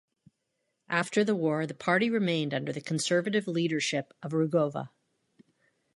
After the war the party remained under the conservative leadership of Rugova.